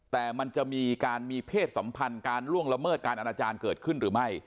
แต่มันจะมีการมีเพศสัมพันธ์การล่วงละเมิดการอนาจารย์เกิดขึ้นหรือไม่